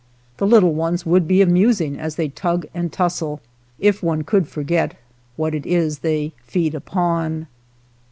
The little ones would be amusing as they tug and tussle, if one could forget what it is they feed upon.